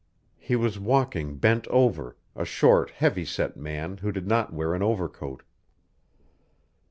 He was walking bent over, a short, heavy set man who did not wear an overcoat.